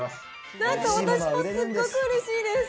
なんか私もすっごくうれしいです。